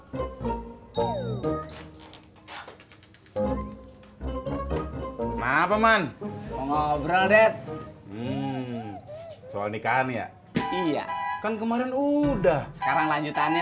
kenapa man ngobrol det soal nikahannya iya kan kemarin udah sekarang lanjutannya